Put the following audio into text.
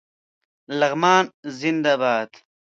لغمان زنده باد